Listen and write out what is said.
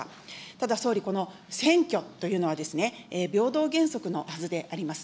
ただ、総理、この選挙というのはですね、平等原則のはずであります。